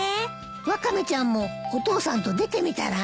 ワカメちゃんもお父さんと出てみたら？